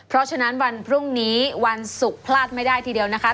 เพราะฉะนั้นวันพรุ่งนี้วันศุกร์พลาดไม่ได้ทีเดียวนะคะ